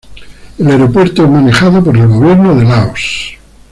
El aeropuerto es manejado por el gobierno de Laos.